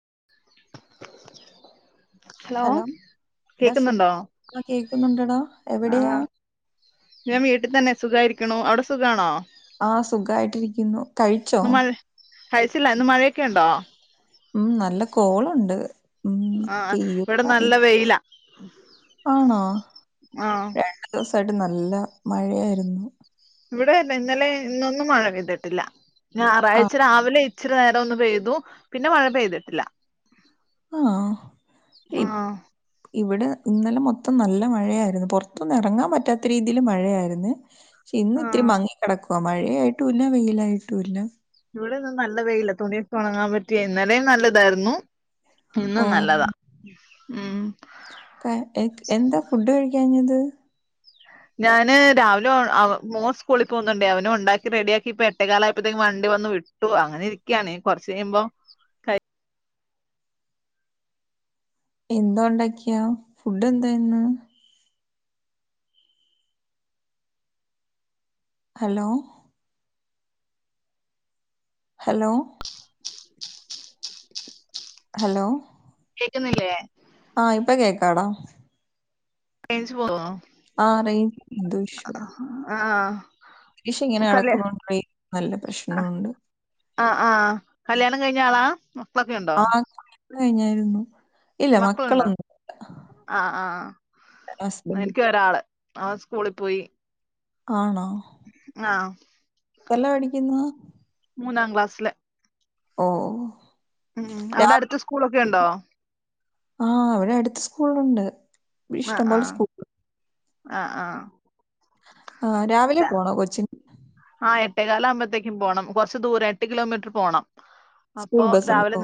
[inaudible] Hello എടാ സു കേക്കുന്നുണ്ടോ കേക്കുന്നുണ്ടടോ എവിടെയാ സുഖായിരിക്ണു അവിടെ സുഖണോ ആ സുഖായിട്ടിരിക്കുന്നു കഴിച്ചോ ഇന്ന് മഴ കഴിച്ചില്ല ഇന്ന് മഴയൊക്കെ ഉണ്ടോ ഉം നല്ല കോളുണ്ട് ഉം ആഹ പേര് ഇവിടെ അറിയ നല്ല വെയില ആണോ ആഹ രണ്ടു ദിവസമായിട്ട് നല്ല മഴയായിരുന്നു ഇവിടെല്ല ഇന്നലെ ഇന്നൊന്നും മഴ പെയ്തിട്ടില്ല ആ ഞായറാഴ്ച രാവിലെ ഇച്ചിരി നേരം ഒന്ന പെയ്തു പിന്നെ മഴ പെയ്തിട്ടില്ല ആഹ ആഹ് ഇവിടെ ഇന്നലെ മൊത്തം നല്ല മഴയായിരുന്നു പുറത്തും ഇറങ്ങാൻ പറ്റാത്ത രീതിൽ മഴയായിരുന്നു പക്ഷെ ഇന്ന് ഇത്തിരി ആഹ് മങ്ങി കിടക്കും അപ്പ മഴയായിട്ടുംല്ല വെയിലായിട്ടുംല്ല ഇവിടെന്നും നല്ല പെയില തുണിയ ഉണങ്ങാൻ പറ്റിയ ഇന്നലേ നല്ലതായിരുന്നു ഓ ഇന്നും നല്ലതാ ഉം ക- എ- എന്താ ഫുഡ് കഴിക്കാഞ്ഞത് ഞാന് രാവിലെ മോൻ സ്കൂളിൽ പോകുന്നുണ്ടേ അവനും ഉണ്ടാക്കി റെഡി ആക്കിപ്പോ എട്ടക്കാലയപ്പോത്തേക്കും വണ്ടി വന്നു വിട്ടു അങ്ങനെ ഇരിക്കാണ് കൊറച്ച് കഴിയുമ്പോ എന്താ ഉണ്ടാക്കിയാ ഫുഡ് എന്താ ഇന്ന് ഹലോ ഹലോ ഹലോ കേക്കുന്നില്ലേ ആ ഇപ്പൊ കേക്കാടാ റേയ്ജ് പോയോ ആറ ദുഷോ ആഹ് കല് നല്ല പ്രശ്നമുണ്ട് ആ ആഹ് കല്യാണം കഴിഞ്ഞ ആളാ മക്കളൊക്കെ ഉണ്ടോ കഴിഞ്ഞാരുന്നു മക്കളുണ്ടോ ആ ആഹ് ഹസ്ബൻഡ് എനിക്ക് ഒരാള് അവൻ സ്കൂളിൽ പോയി ആണോ ആഹ് എത്രയില പടിക്കുന്നു മൂന്നാം ക്ലാസില് ഓ ഉം അവിടെ അടുത്ത സ്കൂളൊക്കെ ഉണ്ടോ ആഹ് ഇവിടെ അടുത്ത സ്കൂളുണ്ട് ആഹ് ഇഷ്ടം പോലെ ആഹ് സ്കൂൾ ആഹ് ആഹ് ആഹ് രാവിലെ പോണോ കൊച്ചിന് ആ എട്ടേകാൽ ആകുമ്പഴത്തേും പോണം കുറച്ച് ദൂരം എട്ട് കിലോമീറ്റർ പോകണം സ്കൂൾ ബസ് ഒണ്ടോ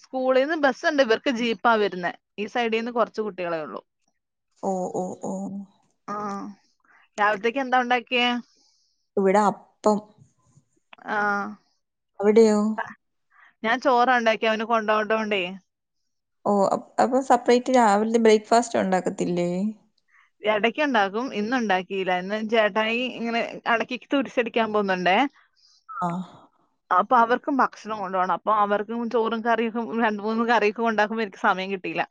സ്കൂളിൽ നിന്ന് ബസുണ്ട് ഇവർക്ക് ജീപ്പാ വരുന്നേ ഈ സൈഡിൽന്ന് കുറച്ച് കുട്ടികളെ ഉള്ളു ഓ ഓ ഓ ആ രാവിലത്തേക്ക് എന്താ ഉണ്ടാക്കിയ ഇവിടെ അപ്പം ആഹ് അവിടെയോ ഞാൻ ചോറ് ഉണ്ടാക്കി അവന് കൊണ്ടോട്ടോണ്ടേ ഓ അപ്പൊ സെപ്പറേറ്റ് രാവിലെ ബ്രേക്ക്ഫാസ്റ്റ് ഉണ്ടാക്കത്തില്ലേ ഇടക്ക് ഉണ്ടാക്കും ഇന്ന് ഉണ്ടാക്കില്ല ഇന്ന് ചേട്ടായി ഇങ്ങനെ ഇടക്കക്ക് തുരിച്ചടിക്കാൻ പോുന്നുണ്ടേ ആഹ് അപ്പൊ അവർക്കും ഭക്ഷണം കൊണ്ടുപോണം അപ്പൊ അവർക്കും ചോറും കറിയൊക്കും രണ്ട് മൂന്നും കറിയൊക്കെ ഉണ്ടാക്കുമ്പോ എനിക്ക് സമയം കിട്ടിയില്ല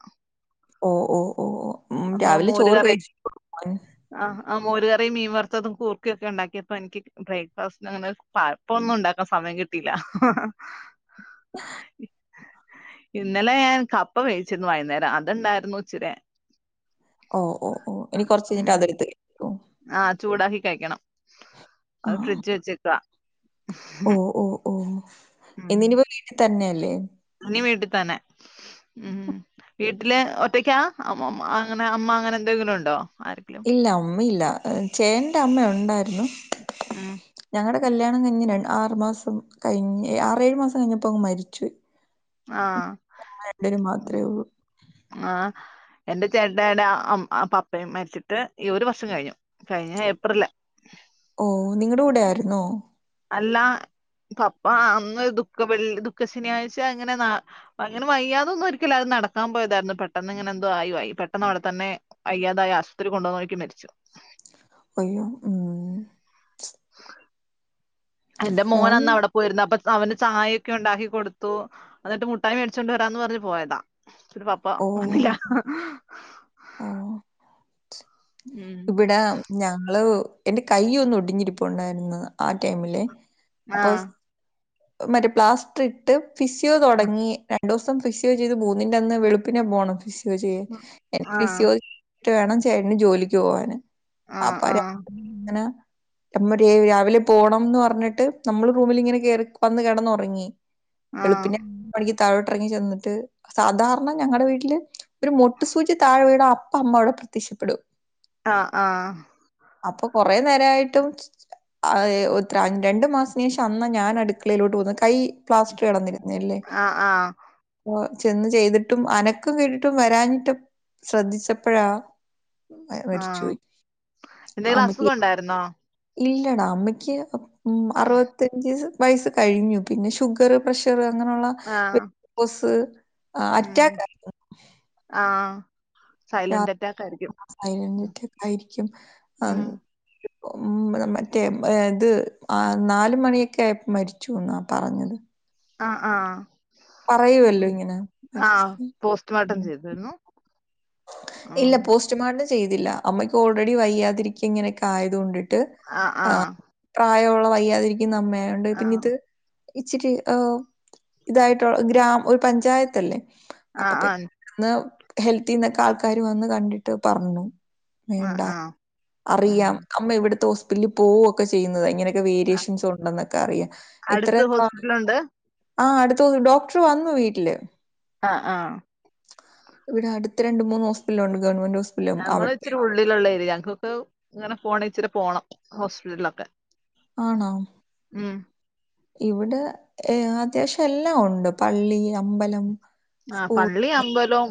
ഓ ഓ ഓ ഓ ഉം രാവിലെ ചോ [unintelligible] കറി ആഹ് ആ മോരുകറിം മീൻ വറത്തതും കൂർക്കെയൊക്കെ ഇണ്ടാക്കിയപ്പോ എനിക്ക് ബ്രേക്ക്ഫാസ്റ്റ് ന് അങ്ങനെ പഴപ്പൊന്നും ഉണ്ടാക്കാൻ സമയം കിട്ടീല്ല. ഇന്നലെ ഞാൻ കപ്പ വേവിച്ചിരുന്നു വൈന്നേരം, അത്ണ്ടാരുന്നു ഇച്ചിരേ. ഓ, ഓ, ഓ എനി കൊറച്ച് കയ്ഞ്ട്ട് അത്ട്ത്ത് ക ആ ചൂടാക്കി കഴിക്കണം. ആ. അത് ഫ്രിഡജ് വെച്ചേക്കാ. ഓ, ഓ, ഓ. ഇന്നിനിപ്പോ വീട്ടീ തന്നെ. ലെ വീട്ട് തന്നെ ഉം വീട്ടില് ഒറ്റക്കാ അങ്ങനെ അമ്മ അങ്ങനെ എന്തെങ്കിലും ഉണ്ടോ ആരെങ്കിലും ഇല്ല ഉമ്മ ഇല്ല ഉം ചേന്റമ്മ ഉണ്ടായിരുന്നു ഉം ഞങ്ങടെ കല്യാണം കഴിഞ്ഞ് രണ്ട് ആറു മാസം കഴിഞ് ആറേയുമാസം കയ്ഞ്ഞപ്പോങ് മരിച്ചു ആഹ ഉള്ളൂ. ആഹ എന്റെ ചേട്ടായടെ പപ്പയും മരിച്ചിട്ട് ഈ ഒരു വർഷം കഴിഞ്ഞു കഴിഞ്ഞ ഏപ്രില ഓ നിങ്ങളുടെ കൂടെ ആയിരുന്നോ അല്ലാ പപ്പാ അന്ന് ദുഃഖ വെൾ ദുഃഖ ശനിയാഴ്ച അങ്ങനെ അങ്ങനെ വയ്യാതെ ഒന്നും ഒരിക്കല അത് നടക്കാൻ പോയതായിരുന്നു പെട്ടന്ന് ഇങ്ങനെ എന്തോ ആയിയി പെട്ടെന്ന് അവിടെ തന്നെ അയ്യാതായി ആശുപത്രി കൊണ്ടുവന്നോക്ക് മരിച്ചു അയ്യോ ഉം എന്റെ മോന്? മോനന്നവിടെ പോയിരുന്നു അപ്പൊ അവന്ചായയൊക്കെ ഉണ്ടാക്കി കൊടുത്തു അത്‌ കഴിഞ്ഞിട്ട് മുഠായി വേട്ച്ചൊണ്ട് വരാന്ന് പർഞ് പോയതാ ശരി പാപ്പാ ഓ വന്നില്ല ഉം. ഇവിടാ ഞങ്ങള് എന്റെ കൈയ്യൊന്ന് ഒടിഞ്ഞിരിപ്പുണ്ടായ്ര്ന്ന് ആ ടൈമില് അപ്പൊ ആഹ സ് മറ്റേ പ്ലാസ്റ്ററിട്ട് ഫിസിയോ ആ. തുടങ്ങി രണ്ട് ദിവസം ഫിക്സയോ ചെയതു മൂന്നിന്റി അന്ന് വെളുനെ പോണം ഫിസ്- ആ. ഫീസിയോ വേണം ചേട്ടന് ജോലി- പോവാന് ആ. അപ്പ ആ. [unintelligible] എങ്ങനെ നമ്മ രാവിലെ പോണംന്ന് പറഞ്ഞിട്ട് നമ്മള് റൂമിൽങ്ങനെ കേറി വന്ന് കിടന്ന് ഒറങ്ങി ആ. വെളുപ്പിനെ [unintelligible] താഴോട്റങ്ങി ചെന്നിട്ട് സാധാർണ ഞങ്ങടെ വീട്ടില് ഒരു മൊട്ടു സൂചി താഴെ വീണ അ പ്പ അമ്മ വ്ടെ പ്രത്യക്ഷപ്പെടും ആഹ് ആഹ് അപ്പൊ കൊറെേ നേരായിട്ടും ആഹ് എത്ര രണ്ടു മാസ്ന് ശേഷം അന്നാ ഞാൻ അടുക്കളയിലോട്ട് പോന്ന കൈ പ്ലാസ്റ്റർ കേടന്നി ന്നില്ലേ ആ. ആ. ചെന്ന് ചെയ്തിട്ടും അനക്കം കേട്ടിട്ടും വരാഞ്ഞിട്ട് ശ്രദ്ധിച്ചപ്പഴാ ആഹ് എന്തെങ്കിലും അമ്മയ്ക്ക് അസുഖം ഉണ്ടായിരുന്നോ ഇല്ലടാ അമ്മയ്ക്ക് ഉം അറുപത്തഞ്ച് വയസ്സ് കഴിഞ്ഞു പിന്നെ ഷുഗർ പ്രഷർ അങ്ങനൊള്ള ആ. വെ ക്കോസ് ആഹ് ഉം. അറ്റക്ക് ആയി ആ. സൈലന്റ് അറ്റാക്ക് ആയിരിക്കും. [unintelligible] ആയിരിക്കും ഉം. ആഹ് ഉം മറ്റേ ഇത് ആ നാല് മണിയൊക്കെ ആയപ്പോ മരിച്ചു എന്നാ പറഞ്ഞത് ആഹ് ആഹ് പറയുവല്ലോ ഇങ്ങനെ ആഹ് മരിച്ചത്. പോസ്റ്റ്മോർട്ടം ഉം. ചെയ്തിരുന്നു ഉം. ഇല്ല പോസ്റ്റ്മാർട്ടം ചെയ്തില്ല അമ്മയ്ക്ക് ഓൾറെഡി വയ്യാതിരിക്കുക ഇങ്ങനെയൊക്കെ ആയത് കൊണ്ടി ആഹ് ആഹ് പ്രായള്ള വയ്യാതിരി ക്കുന്നമ്മയായൊണ്ട് പിന്നെ ഇത് ഇച്ചിരി ഉം ഇതായിട്ടുള്ള ഗ്രാമ ഒരു പഞ്ചായത്തല്ലേ ആ. അപ്പൊ പി ആ. ന്ന് ഹെൽ ത്തീന്നൊക്കെ ആൾക്കാര് വന്ന് കണ്ടിട്ട് പറഞ്ഞു ആ. വേണ്ട ആ. ഉം. അറിയാം അമ്മ ഇവിടുത്തെ ഹോസ് പ്പില് പോവുക്കെ ചെയ്യുന്നതാ ഇങ്ങനെ ആ. വേരിയേഷൻസ് ഉണ്ടൊന്നെക്കറിയാം ഇത്ര അടുത്ത് ഹോസ്പിറ്റലുണ്ട് ആഹ് അട് ത് ഡോക്ടർ വന്നു വീട്ടില് ആഹ് ആഹ് ഇവിടെ അടുത്ത് രണ്ട് മൂന്ന് ഹോസ്പിറ്റലുണ്ട് ഗവമെന്റ് ഹോസ് ഞങ്ങള് ഇച്ചിരി ഉള്ളിലുള്ള എരിയാ ഞങ്ങക്കൊക്കെ ഇങ്ങനെ ഫോണെ ഇച്ചിരി പോണം ഹോസ്പിറ്റലിലൊക്കെ ആണോ ഉം ഇവിടെ ഏ അത്യാവശ്യം എല്ലാം ഉണ്ട് പള്ളി, അമ്പലം സ്കൂൾ ആപള്ളി അമ്പലം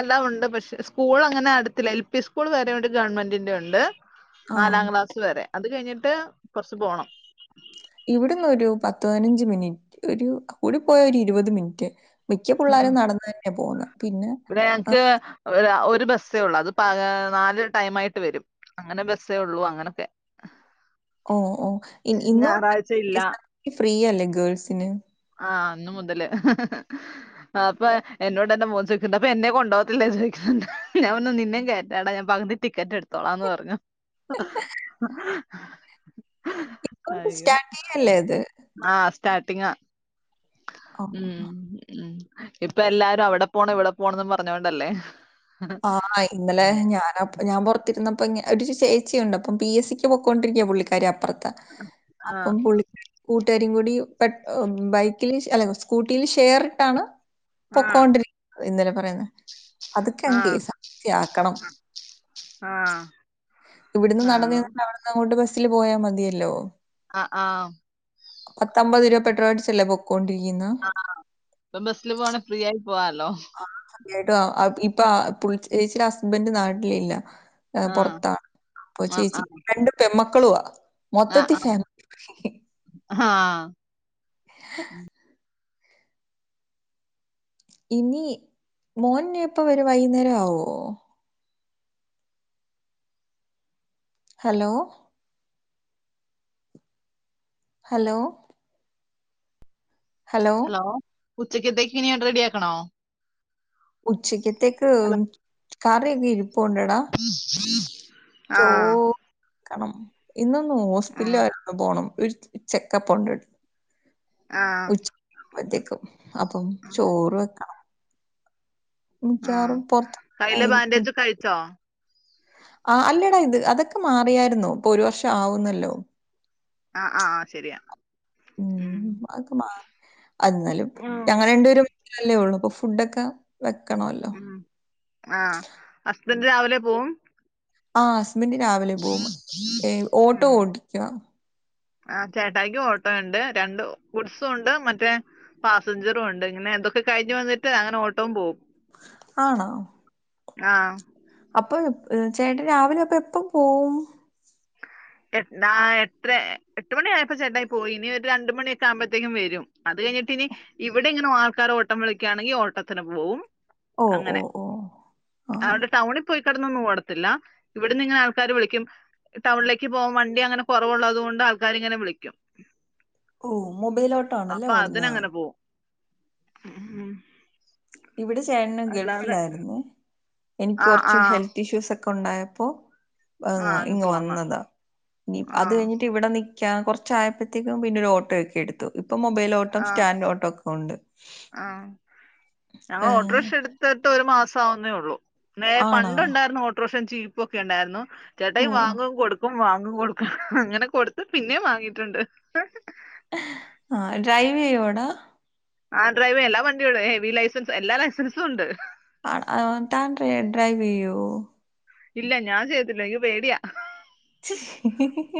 എല്ലാം ഉണ്ട് പക്ഷെ സ്കൂൾ അങ്ങനെ അടുത്തില്ല എൽ പി സ്കൂൾ വരെ ഇവടെ ഗവൺമെന്റിന്റെ ഉണ്ട് ആ. നാലാം ക്ലാസ് വരെ അത് കഴിഞ്ഞിട്ട് കൊറച്ച് പോണം ഇവിടന്ന് ഒരു പത്ത് പതിനഞ്ച് മിനിറ്റ് ഒരു കൂടി പോയ ഒരു ഇരുപത് മിനിറ്റ് മിക്ക ഉം പിള്ളേരും നടന്നു തന്നെ പോകുന്നത് ഇവിടെ ഞങ്ങക്ക് [unintelligible] ഒരു ബസ്സേ ഒള്ളു അത് പ നാല് ടൈം ആയിട്ട് വരും അങ്ങനെ ബസ്സേ ഉള്ളു അങ്ങനൊക്കെ ഓ ഓ ഇന്ന് തൊട്ട് ഞായറാഴ്ച കെ ഇല്ല എസ് ർ ടീ സി ഫ്രീയല്ലേ ഗേൾസിന് ആ ഇന്ന് മുതല് അപ്പൊ എന്നോട് എന്റെ മോൻ ചോദിക്ക്ണ്ട് അപ്പൊ എന്നെ കൊണ്ട്പോകത്തില്ലേ ന്ന് ചോദിക്ക്ണ്ട് ഞാൻ പറഞ്ഞുനിന്നെകയറ്റടാ ഞാൻ പകതി ടിക്കറ്റ് എടുത്തോളാന്ന് പറഞ്ഞു ഇപ്പണ്ട് അയ്യോ സ്റ്റാർട്ട് ചെയ്യല്ലേ ഇത് ആഹ് സ്റ്റാർട്ടിങ്ങാ ഉം ആഹ്. ഉം ഇപ്പ എല്ലാരും അവിടെ പോണം ഇവിടെ പോണംന്ന് പറഞ്ഞോണ്ടല്ലേ ആ ഇന്നലെ ഞാനാ ഞാൻ പുറത്തിരുന്ന അപ്പം ഒരു ചേച്ചിയുണ്ട് അപ്പം പി എസ് സിക്ക് പോകേണ്ടരിക്കപുള്ളിക്കാരി അപ്പുറ ത്തെ ആഹ് അപ്പം പുള്ളിക്കാരി കൂട്ടുകാരും കൂടി പെ ബൈക്കിൽ അല്ല സ്കൂട്ടിയിൽ ഷെയറിട്ടാണ് ആഹ് പൊക്കോണ്ടിരിക്ക ഇന്നലെ പറയാഞ്ഞെ [unintelligible] ആഹ് ആഹ് ഇവിടുന്ന് നടന്ന് ആഹ് ചെന്നിട്ട് അവിട്ന്നങ്ങോട്ട്‌ ബസിന് സിൽ പോയാൽ മതിയല്ലോ ആ ആ പത്തമ്പത് രൂപ പെട്രോൾഅടിച്ചല്ലേ പൊക്കോ ആ ഇപ്പം ബസില് പോണാ ഫ്രീയായി ആ സത്യായിട്ടും ആ ഇപ് പ്പാ പുള്ച് ഏച്ചിയുടെ ഹസ്ബൻഡ് നാട്ടിലില്ല ഏ ആഹ് പൊറത്താണ് അപ്പൊ ആഹ് ചേച്ചി ആഹ് രണ്ട് പെൺമ ക്കളുവാ മൊത്തത്തി ഫാ ആ [inaudible] ഇനി മോൻ നിപ്പവരുവൈകുന്നേരആവ്വോ ഹലോ ഹലോ ഹലോ ഉച്ചക്കത്തേക്കിനി റെഡിയാക്കണോ ഉച്ചക്കത് തേക്ക്ഉം ഹലോ കറീക്കെ ഇരുപ് [unintelligible] ആ ചോ കാർണം ഇന്നൊന്ന് ആ ഹോസ്പിറ്റ്ല് [unintelligible] പോണം ഒരുചെക്കപ്പൊണ്ട് ആ തെക്കും അപ്പം ആ ചോറ് വെക്കണം ആ മിക്കവാറും കയ്യിലെ ബാൻഡേജൊക്കെ അഴിച്ചോ ആ അല്ലേടാ ഇത് അതൊക്കെ മാറിയാരുന്നുപ്പൊരു വർഷാആവുന്നല്ലോ ആ ആ ആ ശരിയാ ഉം അത് മാറി അന്നലും പ് ഉം ഞങ്ങരണ്ടേരും അല്ലേ ഒള്ളൂ അപ്പൊ ഫുഡൊക്കെ വെക്കണമല്ലോ. ഉം ആ അ രാവിലെ പോകും ആഹ്സ്സ് [unintelligible] രാവിലെ പോം ഏ ഓട്ടോ ഉം ഓട്ടിക്കുവാ ആ ചേട്ടായിക്ക് ഓട്ടോ ഒണ്ട് രണ്ട് ഗുഡ്സും ഒണ്ട് മറ്റേ പാസഞ്ചറും ഒണ്ട് ഇങ്ങനെ എന്തൊക്കെ കഴിഞ്ഞു വന്നിട്ട് അങ്നെ ഓട്ടോ പോവുംും ആണോ ആ അപ്പൊ ചേട്ടാൻ രാവിലെ അപ്പൊ എപ്പ പോവും എ നാ എട്ടര എട്ടു മണി ആയപ്പൊ ചേട്ടായി പോയി ഇനി ഒരു രണ്ടുമണിയൊക്കെ ആകുമ്പഴത്തേക്കും വരും അത് കഴിഞ്ഞിട്ടിനി ഇവിടെ ഇങ്ങനും ആൾക്കാർ ഓട്ടം വിളിക്കുകയാണെങ്കിൽ ഓട്ടത്തിന് പോവും ഓ ഓ അങ്ങനെ ഓ. ആഹ്. അവിടെ ടൗണിൽ പോയി കെടന്നൊന്നും ഓടത്തില്ല ഇവിടന്ന് ഇങ്ങനെ ആൾക്കാർ വിളിക്കും ടൗണിലേ ക്ക്പോംവണ്ടി അങ്ങനെ കൊറവുള്ളതു കൊണ്ട് ആൾക്കാരിങ്ങനെ വിളിക്കും ഓ മൊബൈലോട്ട ആണല്ലേ അപ്പൊ ഓടന്ന് അതിനങ്ങനെ പോവും ഉം. ഇവിടെ ചേട്ടന് അല്ലാതെ ഗൾഫിലായിരുന്നു എനിക്ക് ആ ആ കുറച്ച് ഹെൽത്ത് ഇഷ്യൂസ് ഒക്കെ ഉണ്ടായപ്പോ ആ ആഹ് അങ്ങ് ഇങ്ങ് പോന്ന വന്നതാ ഇനി ആ അത് കഴിഞ്ഞിട്ട് ഇവിടെ നി നിക്കാം കുറച്ചായപ്പോഴത്തേക്കും പിന്നെ ഒരു ഓട്ടോ ഒക്കെ എടുത്തു ഇപ്പം മൊബൈലോട്ടം സ്റ്റാൻ്ഓട്ടം - ഒണ്ട് ആഹ് ഞങ്ങള് ഏഹ് ഓട്ടോറിക്ഷ ഇട്ത്തിട്ട് ഒരു മാസം സാവുന്നേ ഒള്ളൂ വേ ആണോ പണ്ട് ഉണ്ടായിരുന്നു ഓട്ടോർഷ ചീപ്പ ഒക്കെ ഉണ്ടായിരുന്നു ഓ ചേട്ടായി വാങ്ങും കൊടുക്കും വാങ്ങ - ങ് കൊടുക്ക അങ്ങനെ കൊടുത്ത് പിന്നെയും വാങ്ങിട്ടുണ്ട് ആ ഡ്രൈവ് ചെയ്‌യുവോടാ ആ ഡ്രൈവ് ചെയ്യും എല്ലാ വണ്ടിയോടും ഹെവി ലൈസൻസ് എല്ലാ ലൈസൻസും ഒണ്ട് ആ, ആ, താൻ ഡ്ര- ഡ്രൈവ് ചെയ്യോ ഇല്ല ഞാൻ ചെയ്യത്തില്ല അയ്യോ പേടിയാ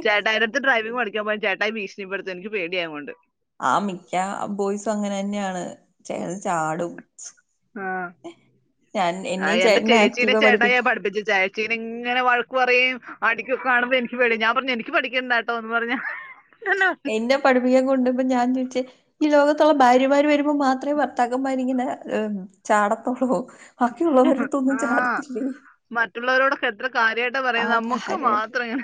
ചേട്ടാ അതിന്നാത്ത് ഡ്രൈവിങ്ങ് പഠി - [unintelligible] ചേട്ടായി ഭീഷണിപ്പെടുത്തും എനിക്ക്‌ പേടിയാ അത് കൊണ്ട് ആ മിക്ക ബോയ്സും അങ്ങനെ തന്നെയാണ് അ [unintelligible] കെടന്ന് ചാടും ആ ഞാൻ എന്നെയും എന്റെ ചേട്ടനെയും ചേച്ചീനെ ആക്റ്റീവാ ചേട്ടായി പഠിപ്പിക്കാൻ പഠിപ്പിച്ചു ചേച്ചീനെ ഇങ്ങനെ വഴക്ക് പറയ്യേ അടിക്കൊക്കെ കാണുമ്പോൾ എനിക്ക്‌ പേടിയാ ഞാൻ പറഞ് എനിക്ക് പഠിക്കേണ്ട കേട്ടോ എന്ന് പറഞ്ഞ് എന്നെ പഠിപ്പിക്കാൻ കൊണ്ട് പോയപ്പോൾ ഞാൻ ചോദിച്ച് - ഈ ലോകത്തുള്ള ഭാര്യമാര് വര- മാത്രമേ ഭർത്താക്കൻമ്മാര് ഇങ്ങനെ - [unintelligible] ചാടത്തോള്വും ആഹ് മറ്റുള്ളവരോടൊക്കെ എത്ര കാര്യയിട്ടാ ആ പറയുന്ന നമ്മുക്ക് കാര്യായിട്ട് മാത്രം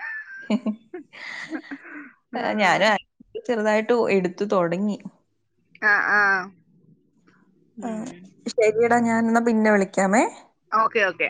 മ്മ് [unintelligible] ചെറുതാട്ടു എടുത്ത് തൊടങ്ങി ആഹ് ആഹ് ആഹ് ശരിടാ ഞൻ ന്ന പിന്നെ വിളിക്കാമേ ഓക്കെ ഓക്കെ